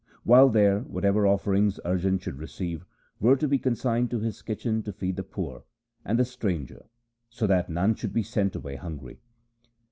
While there, whatever offerings Arjan should receive were to be consigned to his kitchen to feed the poor and the stranger, so that none should be sent away hungry.